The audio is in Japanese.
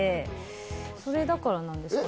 それだからなんですかね。